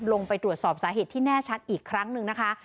ลงไปตรวจสอบสาเหตุที่แน่ชัดอีกครั้งหนึ่งนะคะ